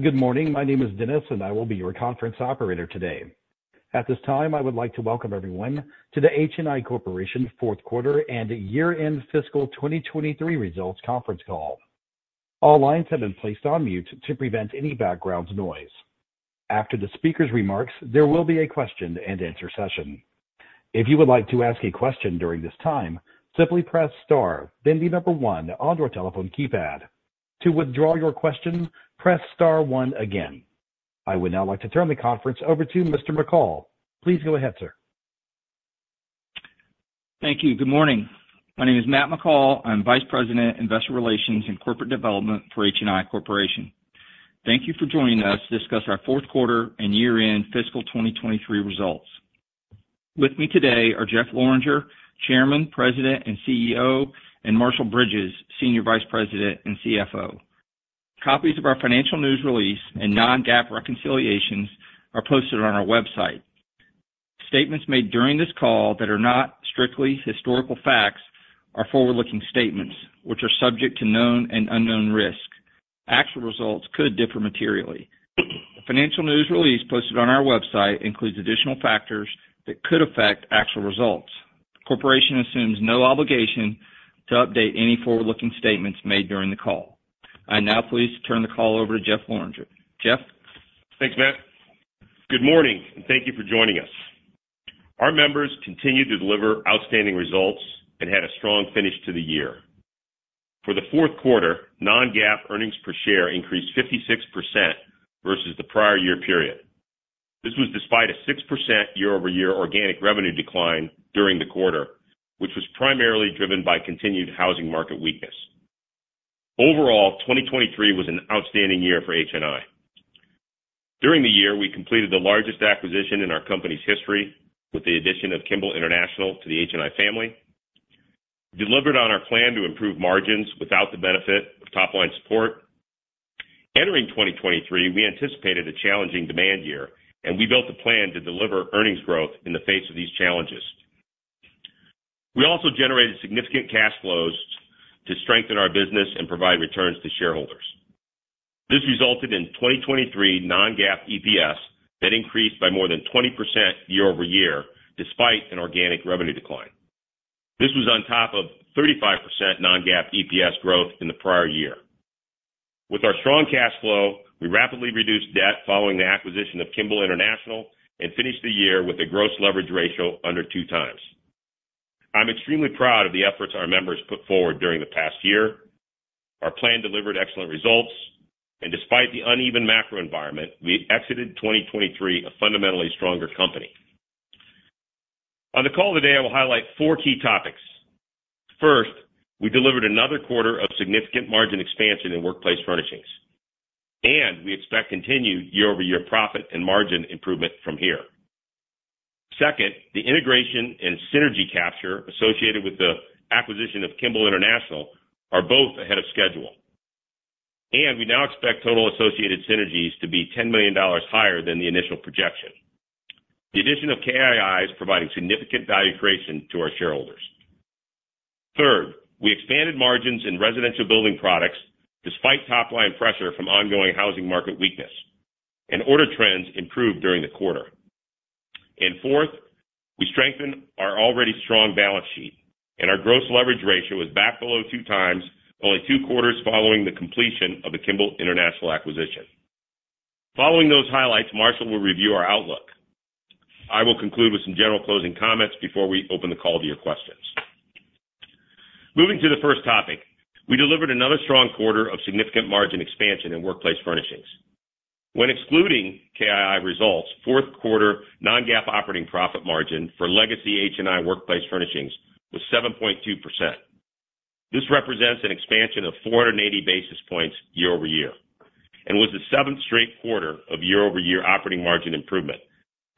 Good morning. My name is Dennis, and I will be your conference operator today. At this time, I would like to welcome everyone to the HNI Corporation Fourth Quarter and Year-End Fiscal 2023 Results Conference Call. All lines have been placed on mute to prevent any background noise. After the speaker's remarks, there will be a question-and-answer session. If you would like to ask a question during this time, simply press star, then the number one on your telephone keypad. To withdraw your question, press star one again. I would now like to turn the conference over to Mr. McCall. Please go ahead, sir. Thank you. Good morning. My name is Matt McCall. I'm Vice President, Investor Relations, and Corporate Development for HNI Corporation. Thank you for joining us to discuss our Fourth Quarter and Year-End Fiscal 2023 Results. With me today are Jeff Lorenger, Chairman, President, and CEO, and Marshall Bridges, Senior Vice President and CFO. Copies of our financial news release and non-GAAP reconciliations are posted on our website. Statements made during this call that are not strictly historical facts are forward-looking statements, which are subject to known and unknown risk. Actual results could differ materially. The financial news release posted on our website includes additional factors that could affect actual results. The corporation assumes no obligation to update any forward-looking statements made during the call. I am now pleased to turn the call over to Jeff Lorenger. Jeff? Thanks, Matt. Good morning, and thank you for joining us. Our members continue to deliver outstanding results and had a strong finish to the year. For the fourth quarter, Non-GAAP earnings per share increased 56% versus the prior year period. This was despite a 6% year-over-year organic revenue decline during the quarter, which was primarily driven by continued housing market weakness. Overall, 2023 was an outstanding year for HNI. During the year, we completed the largest acquisition in our company's history with the addition of Kimball International to the HNI family, delivered on our plan to improve margins without the benefit of top-line support. Entering 2023, we anticipated a challenging demand year, and we built a plan to deliver earnings growth in the face of these challenges. We also generated significant cash flows to strengthen our business and provide returns to shareholders. This resulted in 2023 non-GAAP EPS that increased by more than 20% year-over-year despite an organic revenue decline. This was on top of 35% non-GAAP EPS growth in the prior year. With our strong cash flow, we rapidly reduced debt following the acquisition of Kimball International and finished the year with a gross leverage ratio under two times. I'm extremely proud of the efforts our members put forward during the past year. Our plan delivered excellent results, and despite the uneven macro environment, we exited 2023 a fundamentally stronger company. On the call today, I will highlight four key topics. First, we delivered another quarter of significant margin expansion in Workplace Furnishings, and we expect continued year-over-year profit and margin improvement from here. Second, the integration and synergy capture associated with the acquisition of Kimball International are both ahead of schedule, and we now expect total associated synergies to be $10 million higher than the initial projection. The addition of KII is providing significant value creation to our shareholders. Third, we expanded margins in Residential Building Products despite top-line pressure from ongoing housing market weakness, and order trends improved during the quarter. And fourth, we strengthened our already strong balance sheet, and our gross leverage ratio is back below two times only two quarters following the completion of the Kimball International acquisition. Following those highlights, Marshall will review our outlook. I will conclude with some general closing comments before we open the call to your questions. Moving to the first topic, we delivered another strong quarter of significant margin expansion in Workplace Furnishings. When excluding KII results, fourth quarter non-GAAP operating profit margin for legacy HNI Workplace Furnishings was 7.2%. This represents an expansion of 480 basis points year-over-year and was the seventh straight quarter of year-over-year operating margin improvement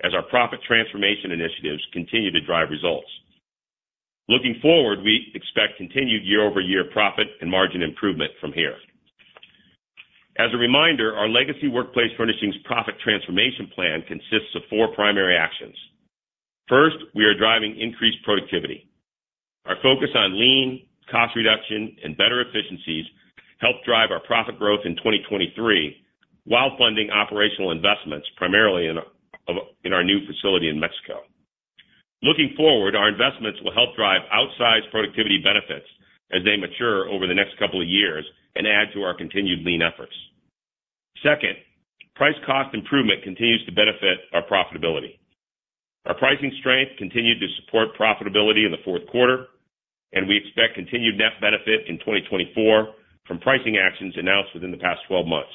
as our profit transformation initiatives continue to drive results. Looking forward, we expect continued year-over-year profit and margin improvement from here. As a reminder, our legacy Workplace Furnishings profit transformation plan consists of four primary actions. First, we are driving increased productivity. Our focus on lean, cost reduction, and better efficiencies help drive our profit growth in 2023 while funding operational investments primarily in our new facility in Mexico. Looking forward, our investments will help drive outsized productivity benefits as they mature over the next couple of years and add to our continued lean efforts. Second, price-cost improvement continues to benefit our profitability. Our pricing strength continued to support profitability in the fourth quarter, and we expect continued net benefit in 2024 from pricing actions announced within the past 12 months.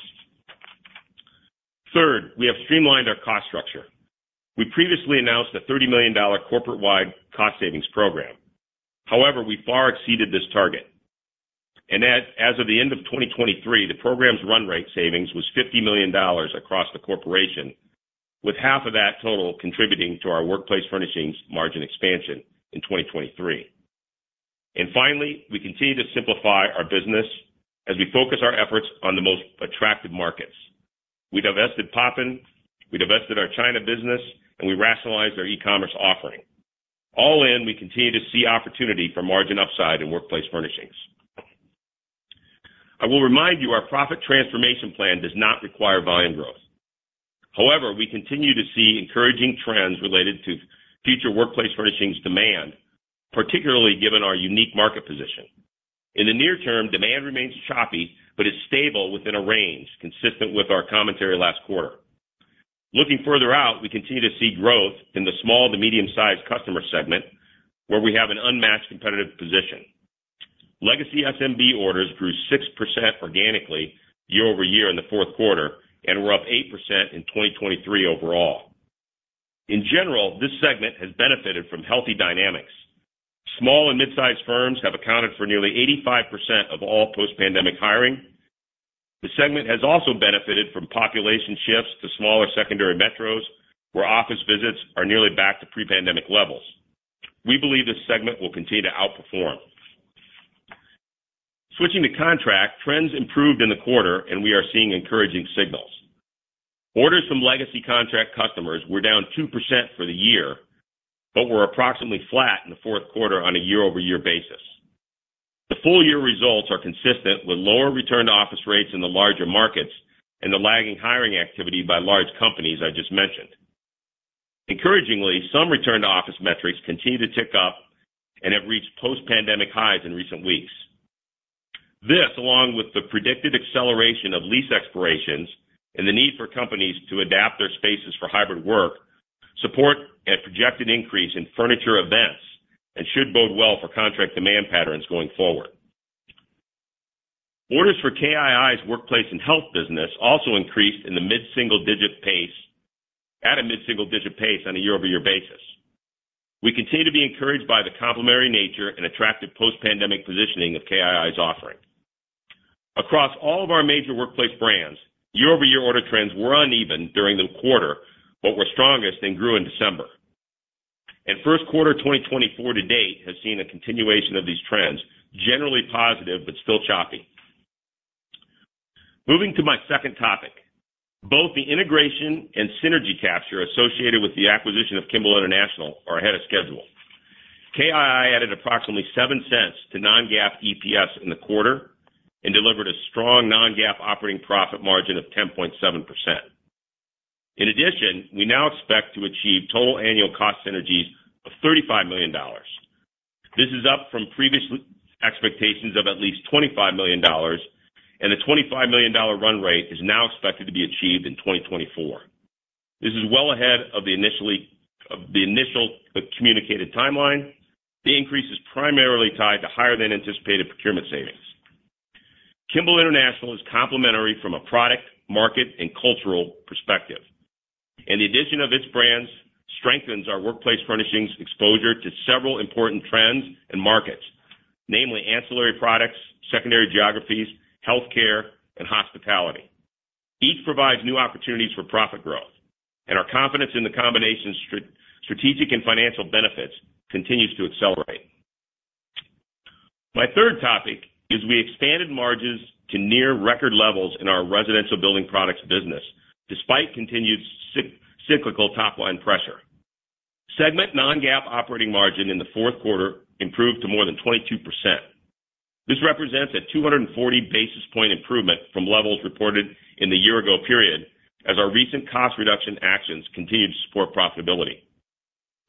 Third, we have streamlined our cost structure. We previously announced a $30 million corporate-wide cost savings program. However, we far exceeded this target. And as of the end of 2023, the program's run rate savings was $50 million across the corporation, with half of that total contributing to our Workplace Furnishings margin expansion in 2023. And finally, we continue to simplify our business as we focus our efforts on the most attractive markets. We've divested Poppin. We've divested our China business, and we rationalized our e-commerce offering. All in, we continue to see opportunity for margin upside in Workplace Furnishings. I will remind you our profit transformation plan does not require volume growth. However, we continue to see encouraging trends related to future Workplace Furnishings demand, particularly given our unique market position. In the near term, demand remains choppy, but it's stable within a range consistent with our commentary last quarter. Looking further out, we continue to see growth in the small to medium-sized customer segment where we have an unmatched competitive position. Legacy SMB orders grew 6% organically year-over-year in the fourth quarter, and we're up 8% in 2023 overall. In general, this segment has benefited from healthy dynamics. Small and midsized firms have accounted for nearly 85% of all post-pandemic hiring. The segment has also benefited from population shifts to smaller secondary metros where office visits are nearly back to pre-pandemic levels. We believe this segment will continue to outperform. Switching to contract, trends improved in the quarter, and we are seeing encouraging signals. Orders from legacy contract customers were down 2% for the year but were approximately flat in the fourth quarter on a year-over-year basis. The full-year results are consistent with lower return-to-office rates in the larger markets and the lagging hiring activity by large companies I just mentioned. Encouragingly, some return-to-office metrics continue to tick up, and have reached post-pandemic highs in recent weeks. This, along with the predicted acceleration of lease expirations and the need for companies to adapt their spaces for hybrid work, support a projected increase in furniture events and should bode well for contract demand patterns going forward. Orders for KII's Workplace and Health business also increased in the mid-single digit pace at a mid-single digit pace on a year-over-year basis. We continue to be encouraged by the complementary nature and attractive post-pandemic positioning of KII's offering. Across all of our major workplace brands, year-over-year order trends were uneven during the quarter but were strongest and grew in December. First quarter 2024 to date has seen a continuation of these trends, generally positive but still choppy. Moving to my second topic, both the integration and synergy capture associated with the acquisition of Kimball International are ahead of schedule. KII added approximately $0.07 to non-GAAP EPS in the quarter and delivered a strong non-GAAP operating profit margin of 10.7%. In addition, we now expect to achieve total annual cost synergies of $35 million. This is up from previous expectations of at least $25 million, and the $25 million run rate is now expected to be achieved in 2024. This is well ahead of the initial communicated timeline. The increase is primarily tied to higher-than-anticipated procurement savings. Kimball International is complementary from a product, market, and cultural perspective. The addition of its brands strengthens our Workplace Furnishings exposure to several important trends and markets, namely ancillary products, secondary geographies, Healthcare, and Hospitality. Each provides new opportunities for profit growth, and our confidence in the combination's strategic and financial benefits continues to accelerate. My third topic is we expanded margins to near-record levels in our Residential Building Products business despite continued cyclical top-line pressure. Segment non-GAAP operating margin in the fourth quarter improved to more than 22%. This represents a 240 basis point improvement from levels reported in the year-ago period as our recent cost reduction actions continue to support profitability.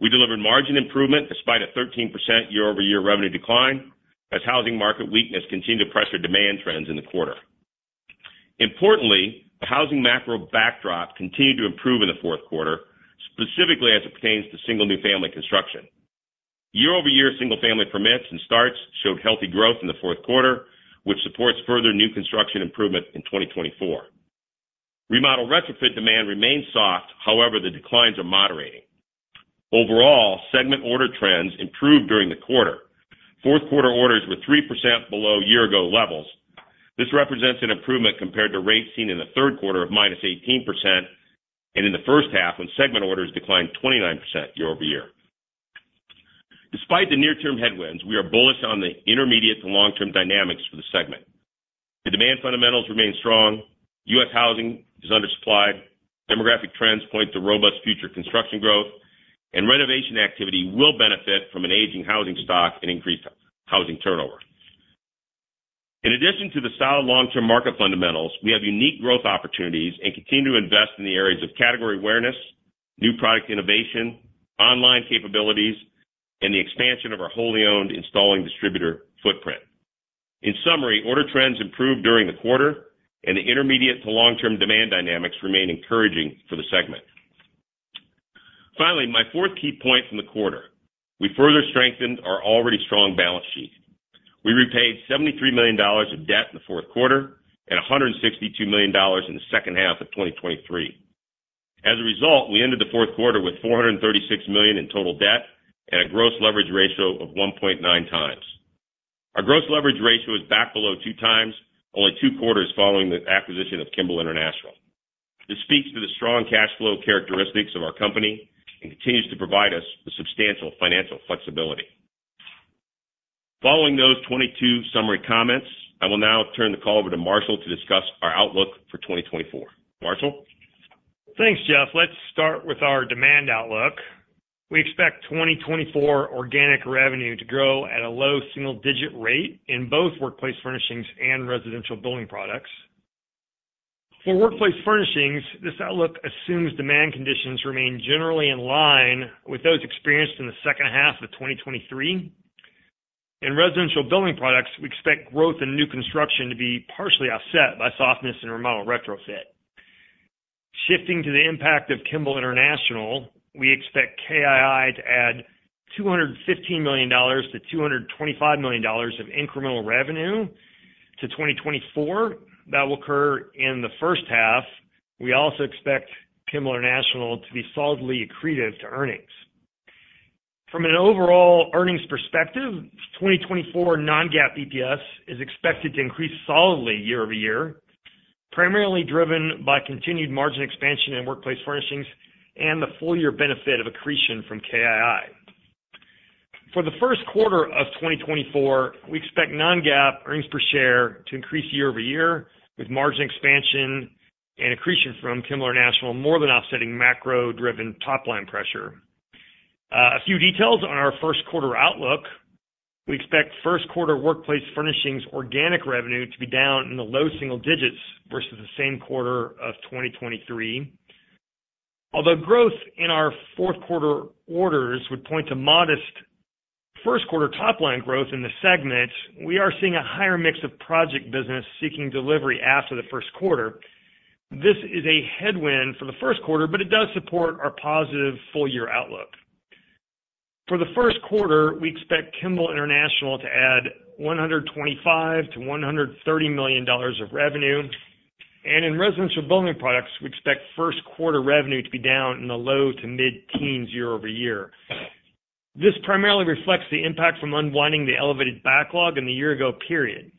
We delivered margin improvement despite a 13% year-over-year revenue decline as housing market weakness continued to pressure demand trends in the quarter. Importantly, the housing macro backdrop continued to improve in the fourth quarter, specifically as it pertains to single new family construction. Year-over-year single family permits and starts showed healthy growth in the fourth quarter, which supports further New Construction improvement in 2024. Remodel-Retrofit demand remains soft. However, the declines are moderating. Overall, segment order trends improved during the quarter. Fourth quarter orders were 3% below year-ago levels. This represents an improvement compared to rates seen in the third quarter of -18% and in the first half when segment orders declined 29% year-over-year. Despite the near-term headwinds, we are bullish on the intermediate to long-term dynamics for the segment. The demand fundamentals remain strong. U.S. housing is undersupplied. Demographic trends point to robust future construction growth, and renovation activity will benefit from an aging housing stock and increased housing turnover. In addition to the solid long-term market fundamentals, we have unique growth opportunities and continue to invest in the areas of category awareness, new product innovation, online capabilities, and the expansion of our wholly-owned installing distributor footprint. In summary, order trends improved during the quarter, and the intermediate to long-term demand dynamics remain encouraging for the segment. Finally, my fourth key point from the quarter, we further strengthened our already strong balance sheet. We repaid $73 million of debt in the fourth quarter and $162 million in the second half of 2023. As a result, we ended the fourth quarter with $436 million in total debt and a gross leverage ratio of 1.9 times. Our gross leverage ratio is back below two times only two quarters following the acquisition of Kimball International. This speaks to the strong cash flow characteristics of our company and continues to provide us with substantial financial flexibility. Following those 22 summary comments, I will now turn the call over to Marshall to discuss our outlook for 2024. Marshall? Thanks, Jeff. Let's start with our demand outlook. We expect 2024 organic revenue to grow at a low single-digit rate in both Workplace Furnishings and Residential Building Products. For Workplace Furnishings, this outlook assumes demand conditions remain generally in line with those experienced in the second half of 2023. In Residential Building Products, we expect growth in New Construction to be partially offset by softness and Remodel-Retrofit. Shifting to the impact of Kimball International, we expect KII to add $215 million-$225 million of incremental revenue to 2024. That will occur in the first half. We also expect Kimball International to be solidly accretive to earnings. From an overall earnings perspective, 2024 non-GAAP EPS is expected to increase solidly year-over-year, primarily driven by continued margin expansion in Workplace Furnishings and the full-year benefit of accretion from KII. For the first quarter of 2024, we expect non-GAAP earnings per share to increase year-over-year with margin expansion and accretion from Kimball International more than offsetting macro-driven top-line pressure. A few details on our first quarter outlook. We expect first quarter Workplace Furnishings organic revenue to be down in the low single digits versus the same quarter of 2023. Although growth in our fourth quarter orders would point to modest first quarter top-line growth in the segment, we are seeing a higher mix of project business seeking delivery after the first quarter. This is a headwind for the first quarter, but it does support our positive full-year outlook. For the first quarter, we expect Kimball International to add $125 million-$130 million of revenue. In Residential Building Products, we expect first quarter revenue to be down in the low to mid-teens year-over-year. This primarily reflects the impact from unwinding the elevated backlog in the year-ago period.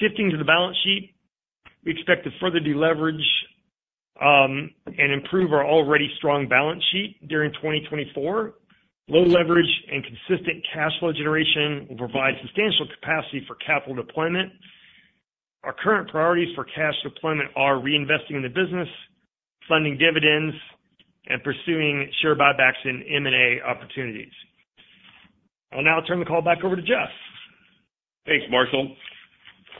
Shifting to the balance sheet, we expect to further deleverage and improve our already strong balance sheet during 2024. Low leverage and consistent cash flow generation will provide substantial capacity for capital deployment. Our current priorities for cash deployment are reinvesting in the business, funding dividends, and pursuing share buybacks and M&A opportunities. I'll now turn the call back over to Jeff. Thanks, Marshall.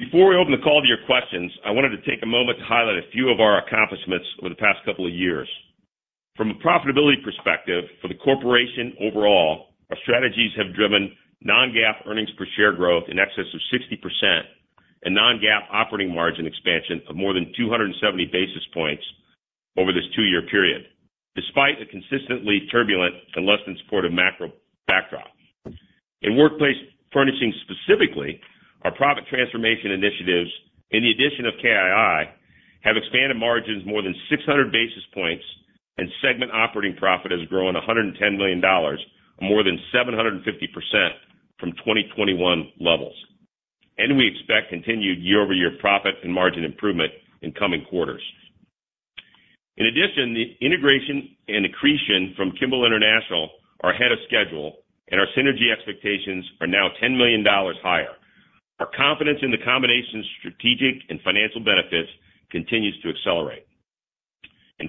Before we open the call to your questions, I wanted to take a moment to highlight a few of our accomplishments over the past couple of years. From a profitability perspective, for the corporation overall, our strategies have driven non-GAAP earnings per share growth in excess of 60% and non-GAAP operating margin expansion of more than 270 basis points over this two-year period despite a consistently turbulent and less than supportive macro backdrop. In Workplace Furnishings specifically, our profit transformation initiatives in the addition of KII have expanded margins more than 600 basis points, and segment operating profit has grown $110 million more than 750% from 2021 levels. We expect continued year-over-year profit and margin improvement in coming quarters. In addition, the integration and accretion from Kimball International are ahead of schedule, and our synergy expectations are now $10 million higher. Our confidence in the combination's strategic and financial benefits continues to accelerate.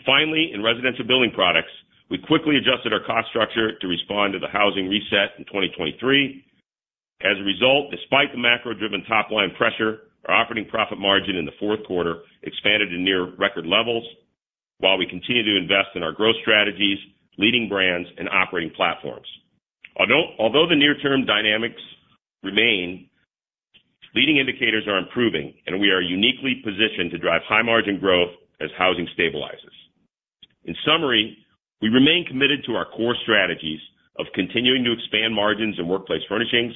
Finally, in Residential Building Products, we quickly adjusted our cost structure to respond to the housing reset in 2023. As a result, despite the macro-driven top-line pressure, our operating profit margin in the fourth quarter expanded to near-record levels while we continue to invest in our growth strategies, leading brands, and operating platforms. Although the near-term dynamics remain, leading indicators are improving, and we are uniquely positioned to drive high-margin growth as housing stabilizes. In summary, we remain committed to our core strategies of continuing to expand margins in workplace Furnishings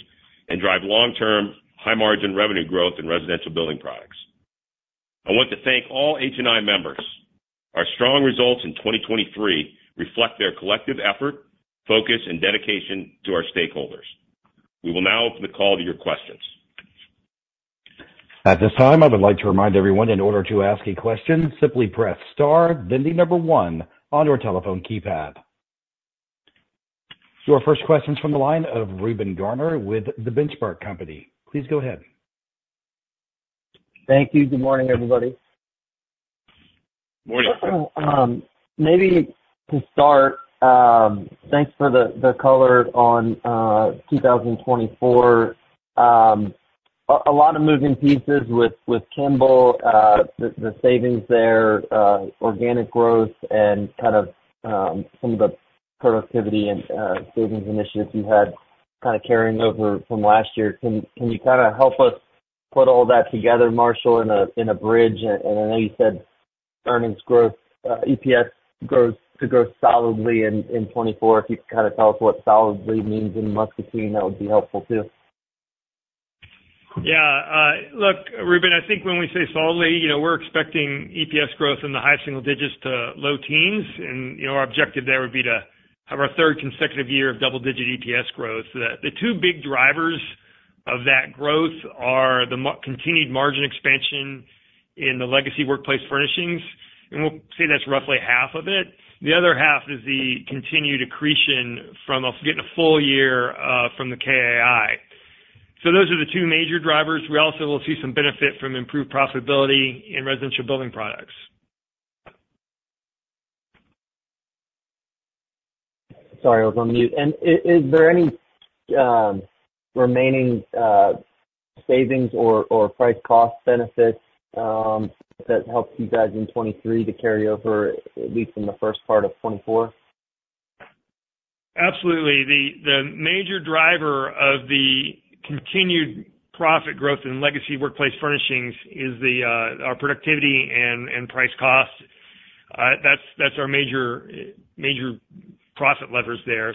and drive long-term high-margin revenue growth in Residential Building Products. I want to thank all HNI members. Our strong results in 2023 reflect their collective effort, focus, and dedication to our stakeholders. We will now open the call to your questions. At this time, I would like to remind everyone, in order to ask a question, simply press star, then the number one on your telephone keypad. Your first question's from the line of Reuben Garner with The Benchmark Company. Please go ahead. Thank you. Good morning, everybody. Morning. Jeff. Maybe to start, thanks for the color on 2024. A lot of moving pieces with Kimball, the savings there, organic growth, and kind of some of the productivity and savings initiatives you had kind of carrying over from last year. Can you kind of help us put all that together, Marshall, in a bridge? And I know you said earnings growth EPS to grow solidly in 2024. If you could kind of tell us what solidly means in Muscatine, that would be helpful too. Yeah. Look, Reuben, I think when we say solidly, we're expecting EPS growth in the high single digits to low teens. And our objective there would be to have our third consecutive year of double-digit EPS growth. The two big drivers of that growth are the continued margin expansion in the legacy Workplace Furnishings. We'll say that's roughly half of it. The other half is the continued accretion from getting a full year from the KII. Those are the two major drivers. We also will see some benefit from improved profitability in Residential Building Products. Sorry, I was on mute. And is there any remaining savings or price-cost benefits that helped you guys in 2023 to carry over, at least in the first part of 2024? Absolutely. The major driver of the continued profit growth in legacy Workplace Furnishings is our productivity and price-cost. That's our major profit levers there.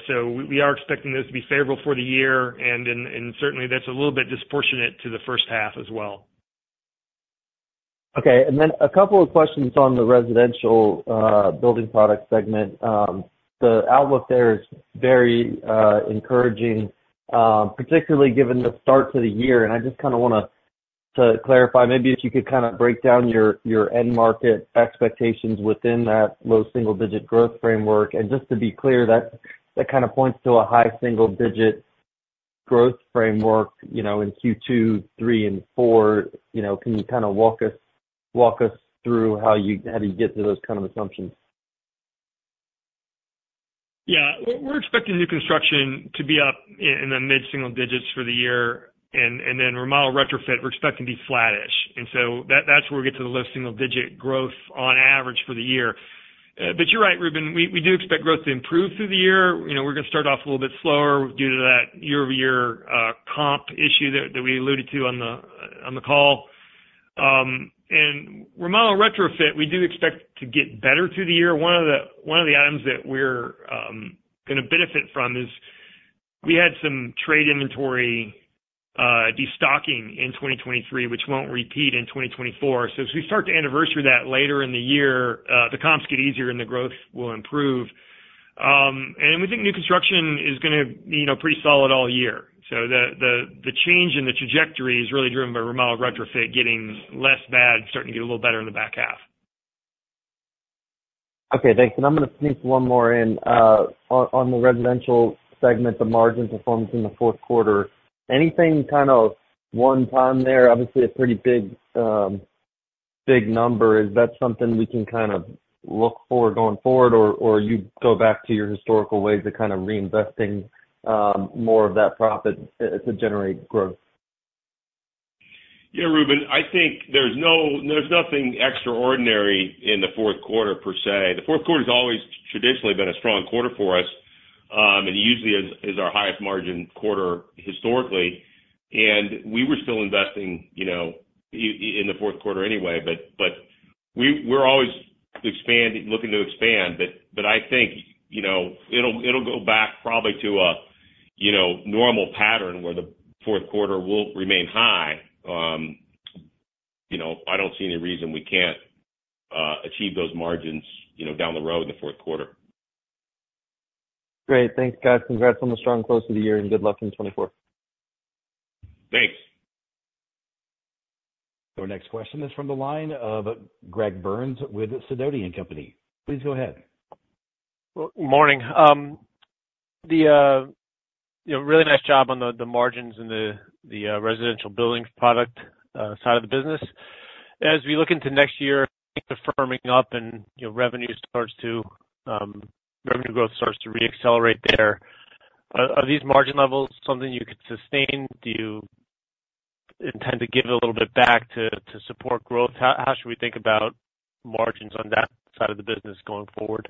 We are expecting those to be favorable for the year. And certainly, that's a little bit disproportionate to the first half as well. Okay. And then a couple of questions on the Residential Building Products segment. The outlook there is very encouraging, particularly given the start to the year. And I just kind of want to clarify, maybe if you could kind of break down your end market expectations within that low single-digit growth framework. And just to be clear, that kind of points to a high single-digit growth framework in Q2, Q3, and Q4. Can you kind of walk us through how do you get to those kind of assumptions? Yeah. We're expecting New Construction to be up in the mid-single digits for the year. And then Remodel-Retrofit, we're expecting to be flat-ish. And so, that's where we get to the low single-digit growth on average for the year. But you're right, Reuben. We do expect growth to improve through the year. We're going to start off a little bit slower due to that year-over-year comp issue that we alluded to on the call. Remodel-Retrofit, we do expect to get better through the year. One of the items that we're going to benefit from is we had some trade inventory destocking in 2023, which won't repeat in 2024. As we start to anniversary that later in the year, the comps get easier and the growth will improve. We think New Construction is going to be pretty solid all year. The change in the trajectory is really driven by Remodel-Retrofit getting less bad, starting to get a little better in the back half. Okay. Thanks. And I'm going to sneak one more in. On the Residential segment, the margin performance in the fourth quarter, anything kind of one-time there? Obviously, a pretty big number. Is that something we can kind of look for going forward, or you go back to your historical ways of kind of reinvesting more of that profit to generate growth? Yeah, Reuben. I think there's nothing extraordinary in the fourth quarter per se. The fourth quarter has always traditionally been a strong quarter for us, and usually is our highest margin quarter historically. And we were still investing in the fourth quarter anyway. But we're always looking to expand. But I think it'll go back probably to a normal pattern where the fourth quarter will remain high. I don't see any reason we can't achieve those margins down the road in the fourth quarter. Great. Thanks, guys. Congrats on the strong close of the year, and good luck in 2024. Thanks. Our next question is from the line of Greg Burns with Sidoti & Company. Please go ahead. Morning. Really nice job on the margins and the Residential Building Product side of the business. As we look into next year, things are firming up, and revenue growth starts to reaccelerate there. Are these margin levels something you could sustain? Do you intend to give a little bit back to support growth? How should we think about margins on that side of the business going forward?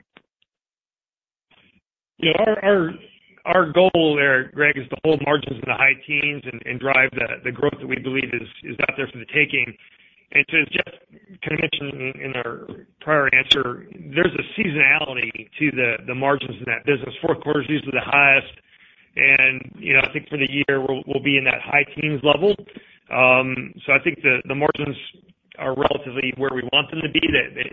Yeah. Our goal there, Greg, is to hold margins in the high teens and drive the growth that we believe is out there for the taking. And as Jeff kind of mentioned in our prior answer, there's a seasonality to the margins in that business. Fourth quarter's usually the highest. And I think for the year, we'll be in that high teens level. So, I think the margins are relatively where we want them to be.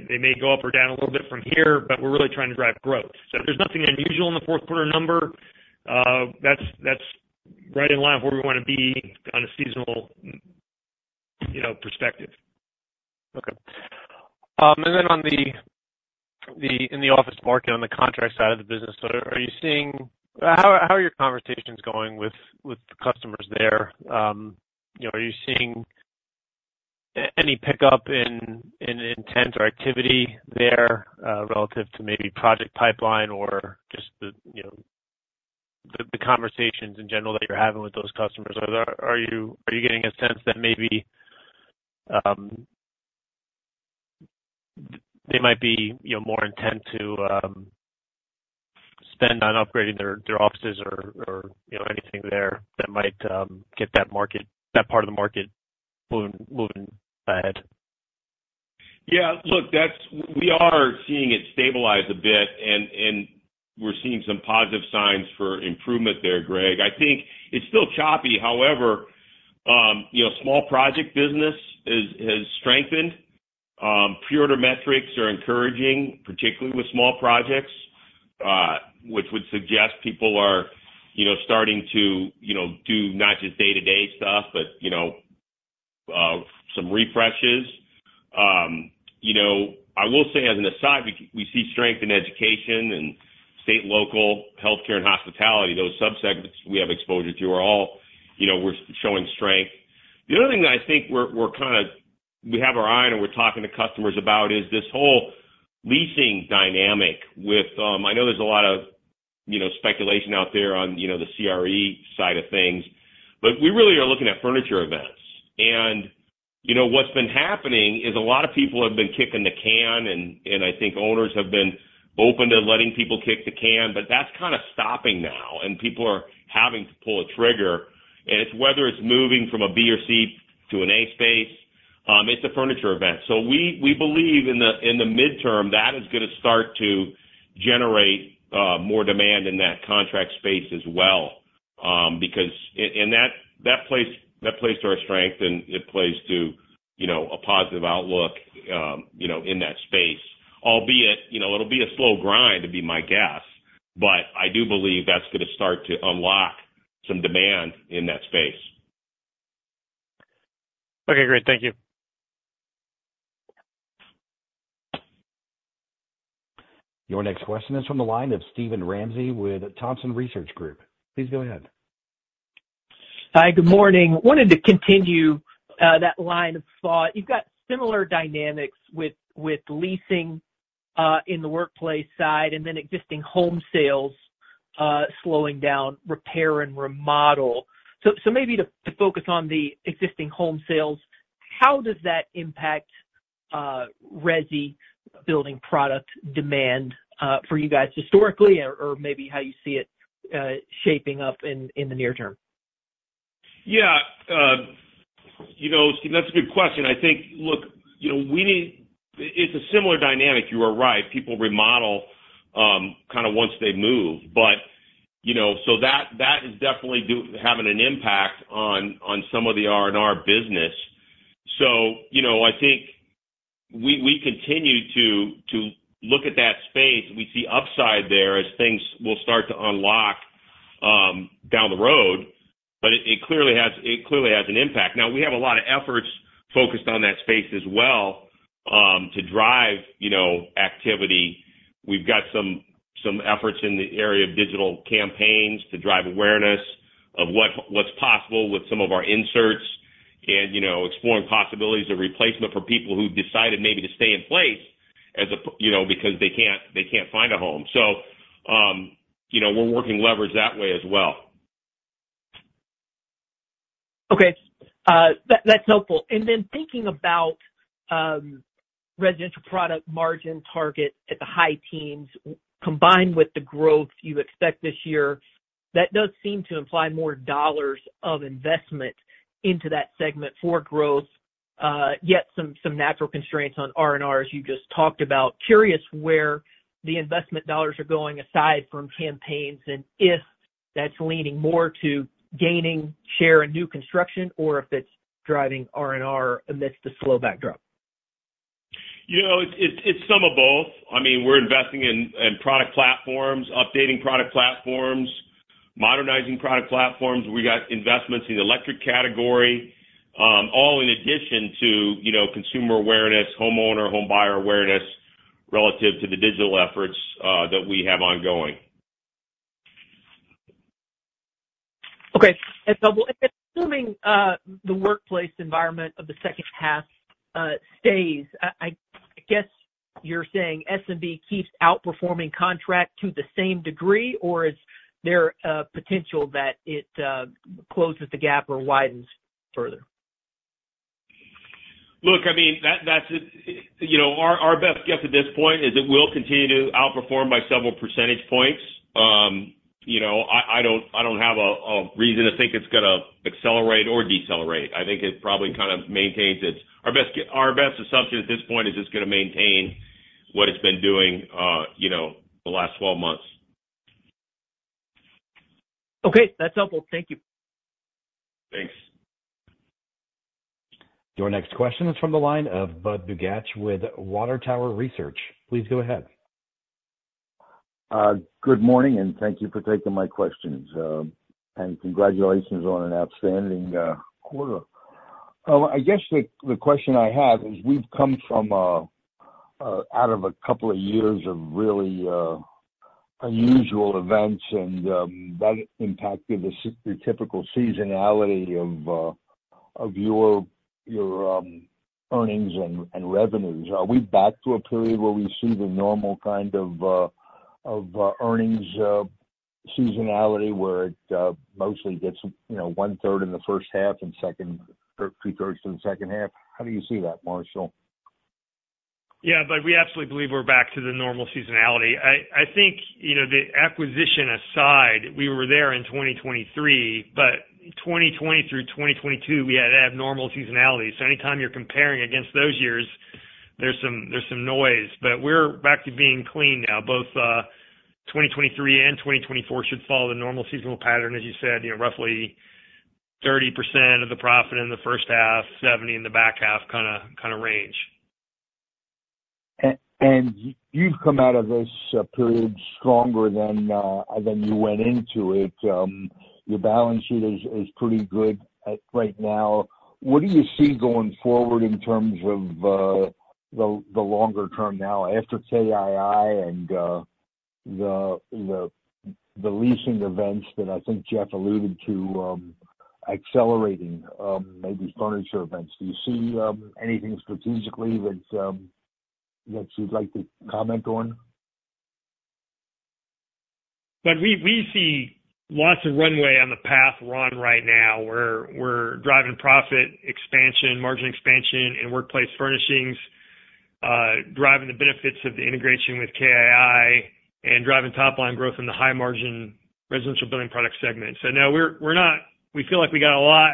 They may go up or down a little bit from here, but we're really trying to drive growth. So, there's nothing unusual in the fourth quarter number. That's right in line with where we want to be on a seasonal perspective. Okay. And then in the office market, on the contract side of the business, are you seeing how are your conversations going with customers there? Are you seeing any pickup in intent or activity there relative to maybe project pipeline or just the conversations in general that you're having with those customers? Are you getting a sense that maybe they might be more intent to spend on upgrading their offices or anything there that might get that part of the market moving ahead? Yeah. Look, we are seeing it stabilize a bit, and we're seeing some positive signs for improvement there, Greg. I think it's still choppy. However, small project business has strengthened. Pre-order metrics are encouraging, particularly with small projects, which would suggest people are starting to do not just day-to-day stuff but some refreshes. I will say, as an aside, we see strength in education and state and local healthcare and hospitality. Those subsegments we have exposure to are all we're showing strength. The other thing that I think we're kind of we have our eye on, and we're talking to customers about, is this whole leasing dynamic with, I know there's a lot of speculation out there on the CRE side of things. But we really are looking at furniture events. And what's been happening is a lot of people have been kicking the can, and I think owners have been open to letting people kick the can. But that's kind of stopping now, and people are having to pull a trigger. And it's whether it's moving from a B or C to an A space. It's a furniture event. So, we believe in the midterm, that is going to start to generate more demand in that contract space as well. And that plays to our strength, and it plays to a positive outlook in that space. Albeit, it'll be a slow grind, to be my guess. But I do believe that's going to start to unlock some demand in that space. Okay. Great. Thank you. Your next question is from the line of Steven Ramsey with Thompson Research Group. Please go ahead. Hi. Good morning. Wanted to continue that line of thought. You've got similar dynamics with leasing in the workplace side and then existing home sales slowing down, repair, and remodel. So, maybe to focus on the existing home sales, how does that impact Resi Building Product demand for you guys historically or maybe how you see it shaping up in the near term? Yeah. See, that's a good question. I think, look, we need. It's a similar dynamic. You are right. People remodel kind of once they move. So, that is definitely having an impact on some of the R&R business. So, I think we continue to look at that space. We see upside there as things will start to unlock down the road. But it clearly has an impact. Now, we have a lot of efforts focused on that space as well to drive activity. We've got some efforts in the area of digital campaigns to drive awareness of what's possible with some of our inserts and exploring possibilities of replacement for people who decided maybe to stay in place because they can't find a home. So, we're working levers that way as well. Okay. That's helpful. And then thinking about Residential Product margin target at the high teens, combined with the growth you expect this year, that does seem to imply more dollars of investment into that segment for growth, yet some natural constraints on R&R, as you just talked about. Curious where the investment dollars are going aside from campaigns and if that's leaning more to gaining share in New Construction or if it's driving R&R amidst the slow backdrop. It's some of both. I mean, we're investing in product platforms, updating product platforms, modernizing product platforms. We got investments in the electric category, all in addition to consumer awareness, homeowner, homebuyer awareness relative to the digital efforts that we have ongoing. Okay. That's helpful. Assuming the workplace environment of the second half stays, I guess you're saying SMB keeps outperforming contract to the same degree, or is there a potential that it closes the gap or widens further? Look, I mean, our best guess at this point is it will continue to outperform by several percentage points. I don't have a reason to think it's going to accelerate or decelerate. I think it probably kind of maintains its our best assumption at this point is it's going to maintain what it's been doing the last 12 months. Okay. That's helpful. Thank you. Thanks. Your next question is from the line of Budd Bugatch with Water Tower Research. Please go ahead. Good morning, and thank you for taking my questions. Congratulations on an outstanding quarter. I guess the question I have is we've come out of a couple of years of really unusual events, and that impacted the typical seasonality of your earnings and revenues. Are we back to a period where we see the normal kind of earnings seasonality where it mostly gets 1/3 in the first half and 2/3 to the second half? How do you see that, Marshall? Yeah. We absolutely believe we're back to the normal seasonality. I think the acquisition aside, we were there in 2023. 2020 through 2022, we had abnormal seasonality. Anytime you're comparing against those years, there's some noise. We're back to being clean now. Both 2023 and 2024 should follow the normal seasonal pattern. As you said, roughly 30% of the profit in the first half, 70% in the back half kind of range. And you've come out of this period stronger than you went into it. Your balance sheet is pretty good right now. What do you see going forward in terms of the longer term now after KII and the leasing events that I think Jeff alluded to accelerating, maybe furniture events? Do you see anything strategically that you'd like to comment on? But we see lots of runway on the path we're on right now. We're driving profit expansion, margin expansion, and Workplace Furnishings, driving the benefits of the integration with KII, and driving top-line growth in the high-margin Residential Building Product segment. So no, we feel like we got a lot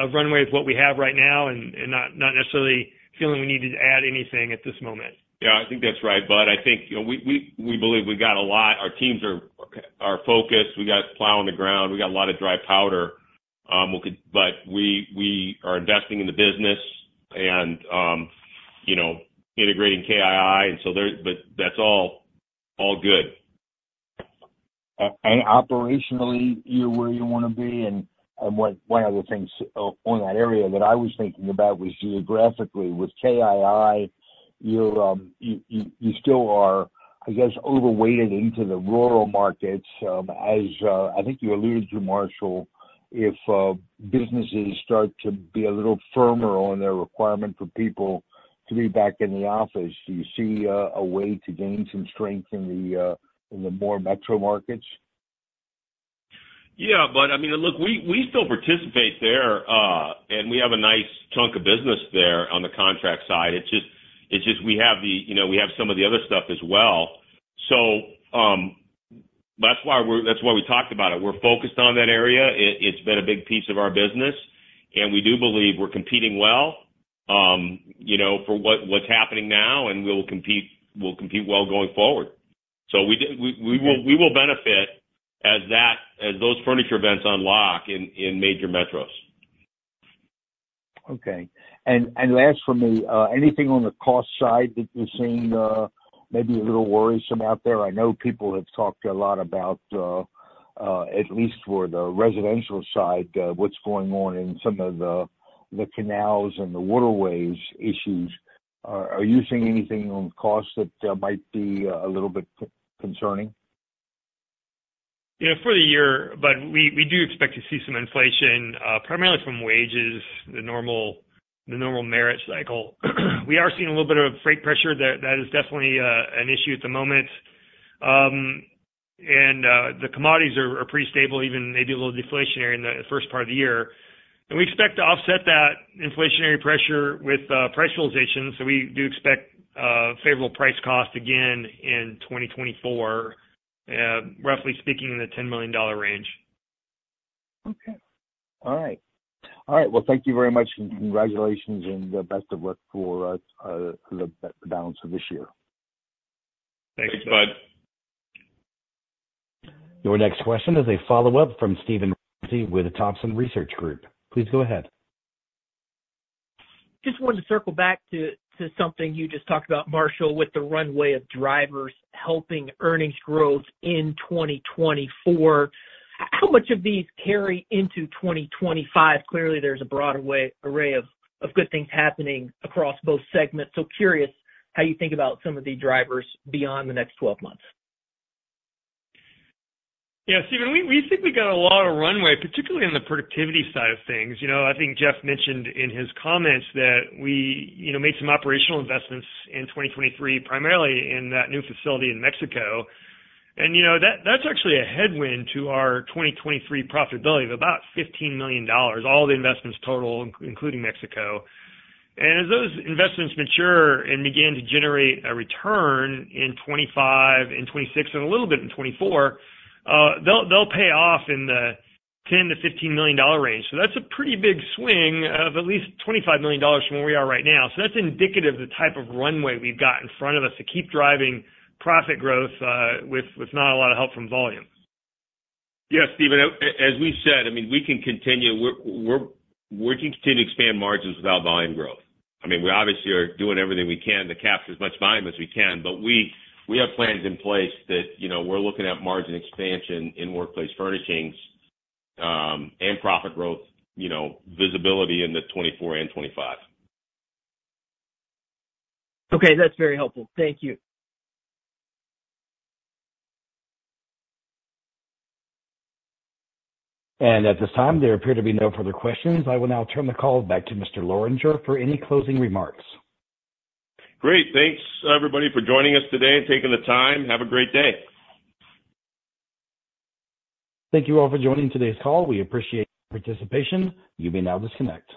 of runway with what we have right now and not necessarily feeling we need to add anything at this moment. Yeah. I think that's right. But I think we believe we got a lot. Our teams are focused. We got plowing the ground. We got a lot of dry powder. But we are investing in the business and integrating KII. But that's all good. And operationally, you're where you want to be. And one of the things on that area that I was thinking about was geographically, with KII, you still are, I guess, overweighted into the rural markets. As I think you alluded to, Marshall, if businesses start to be a little firmer on their requirement for people to be back in the office, do you see a way to gain some strength in the more metro markets? Yeah. I mean, look, we still participate there, and we have a nice chunk of business there on the contract side. It's just we have some of the other stuff as well. So, that's why we talked about it. We're focused on that area. It's been a big piece of our business. And we do believe we're competing well for what's happening now, and we'll compete well going forward. So, we will benefit as those furniture events unlock in major metros. Okay. And last for me, anything on the cost side that you're seeing maybe a little worrisome out there? I know people have talked a lot about, at least for the residential side, what's going on in some of the canals and the waterways issues. Are you seeing anything on cost that might be a little bit concerning? Yeah. But we do expect to see some inflation, primarily from wages, the normal merit cycle. We are seeing a little bit of freight pressure. That is definitely an issue at the moment. And the commodities are pretty stable, even maybe a little deflationary in the first part of the year. And we expect to offset that inflationary pressure with price realization. So, we do expect favorable price cost again in 2024, roughly speaking, in the $10 million range. Okay. All right. All right. Well, thank you very much, and congratulations, and the best of luck for the balance of this year. Thanks, Bud. Thanks, Bud. Your next question is a follow-up from Steven Ramsey with Thompson Research Group. Please go ahead. Just wanted to circle back to something you just talked about, Marshall, with the runway of drivers helping earnings growth in 2024. How much of these carry into 2025? Clearly, there's a broader array of good things happening across both segments. So, curious how you think about some of the drivers beyond the next 12 months. Yeah. Steven, we think we got a lot of runway, particularly on the productivity side of things. I think Jeff mentioned in his comments that we made some operational investments in 2023, primarily in that new facility in Mexico. And that's actually a headwind to our 2023 profitability of about $15 million, all the investments total, including Mexico. And as those investments mature and begin to generate a return in 2025, in 2026, and a little bit in 2024, they'll pay off in the $10 million-$15 million range. So, that's a pretty big swing of at least $25 million from where we are right now. So, that's indicative of the type of runway we've got in front of us to keep driving profit growth with not a lot of help from volume. Yeah. Steven, as we said, I mean, we can continue. We can continue to expand margins without volume growth. I mean, we obviously are doing everything we can to capture as much volume as we can. But we have plans in place that we're looking at margin expansion in Workplace Furnishings and profit growth visibility in the 2024 and 2025. Okay. That's very helpful. Thank you. And at this time, there appear to be no further questions. I will now turn the call back to Mr. Lorenger for any closing remarks. Great. Thanks, everybody, for joining us today and taking the time. Have a great day. Thank you all for joining today's call. We appreciate your participation. You may now disconnect.